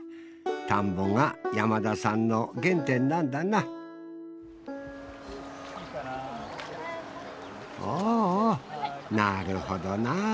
田んぼが山田さんの原点なんだなおおなるほどな。